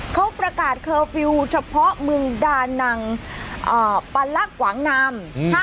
เขาประกาศเคอร์ฟิลเฉพาะเมืองดานังอ่าปรรรลักษณ์หวังนามอืม